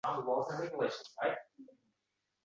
Hammasi oʻzimizdan boshlanadi.